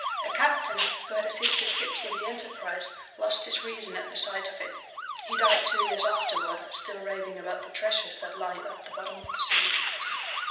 A captain, who had assisted Phips in the enterprise, lost his reason at the sight of it. He died two years afterward, still raving about the treasures that lie at the bottom of the sea.